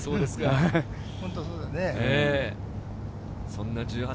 本当そうだね。